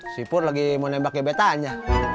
si pur lagi mau nembak gebetan ya